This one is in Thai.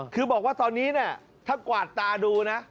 คือบอกว่าตอนนี้เนี่ยถ้ากวาดตาดูนะ